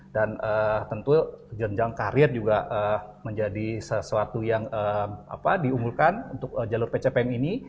dan tentu jenjang karir juga menjadi sesuatu yang diunggulkan untuk jalur pcpm ini